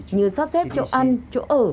như sắp xếp chỗ ăn chỗ ở